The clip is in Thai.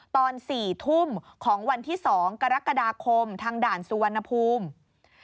ตอน๔ทุ่มของวันที่๒กรกฎาคมทางด่านสุวรรณภูมิ